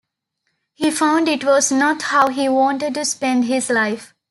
He found it was not how he wanted to spend his life.